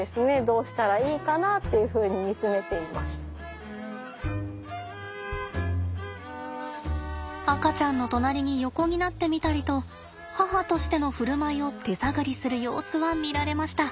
無事に赤ちゃんの隣に横になってみたりと母としての振る舞いを手探りする様子は見られました。